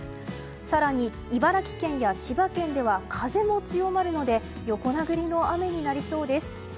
更に茨城県や千葉県では風も強まるので横殴りの雨になりそうです。